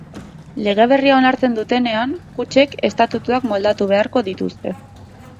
Lege berria onartzen dutenean, kutxek estatutuak moldatu beharko dituzte.